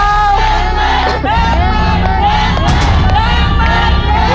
เย้มเลยเย้มเลยเย้มเลยเย้มเลยเย้มเลย